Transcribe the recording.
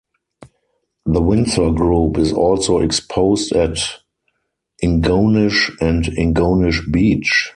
The Windsor Group is also exposed at Ingonish and Ingonish Beach.